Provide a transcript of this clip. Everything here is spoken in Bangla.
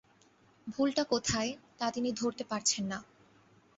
ভুলটা কোথায়, তা তিনি ধরতে পারছেন না।